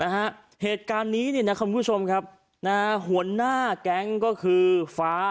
เหตุการณ์นี้คุณผู้ชมครับหัวหน้าแก๊งก็คือฟ้า